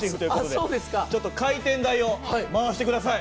ちょっと回転台を回して下さい。